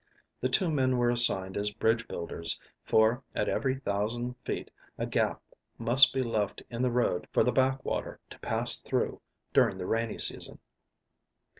Two men were assigned as bridge builders, for at every thousand feet a gap must be left in the road for the back water to pass through during the rainy season.